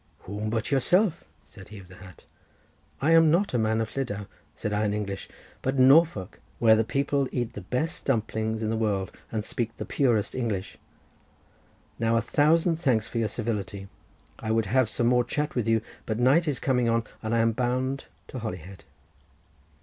"Whom but yourself?" said he of the hat. "I am not a man of Llydaw," said I in English, "but of Norfolk, where the people eat the best dumplings in the world, and speak the purest English. Now a thousand thanks for your civility. I would have some more chat with you, but night is coming on, and I am bound to Holyhead."